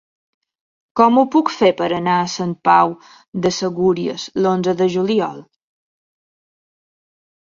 Com ho puc fer per anar a Sant Pau de Segúries l'onze de juliol?